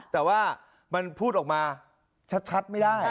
แต่ว่ามันพูดออกมาชัดไม่ได้